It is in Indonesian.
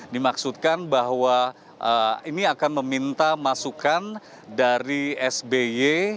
dimaksudkan bahwa ini akan meminta masukan dari sby